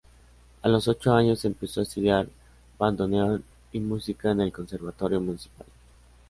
A los ocho años empezó a estudiar bandoneón y música en el Conservatorio Municipal.